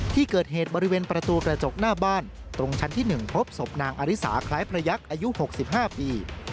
ที่เกิดเหตุบริเวณประตูกระจกหน้าบ้านตรงชั้นที่๑พบศพนางอริสาคล้ายพระยักษ์อายุ๖๕ปี